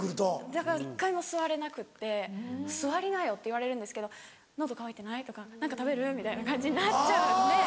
だから１回も座れなくて座りなよって言われるんですけど喉渇いてない？とか何か食べる？みたいな感じになっちゃうんで。